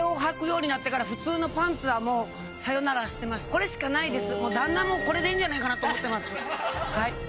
これしかないです。